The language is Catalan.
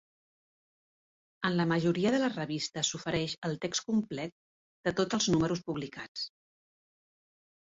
En la majoria de les revistes s'ofereix el text complet de tots els números publicats.